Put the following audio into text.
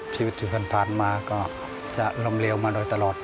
ชีวิตที่เขาเผินมาก็ก็จะล้มเหลวมาเลยตลอด